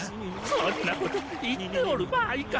そんなこと言っておる場合か。